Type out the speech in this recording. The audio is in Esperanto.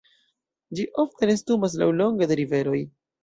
Ĝi ofte nestumas laŭlonge de riveroj.